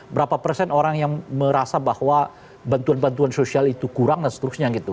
berapa persen orang yang merasa bahwa bantuan bantuan sosial itu kurang dan seterusnya gitu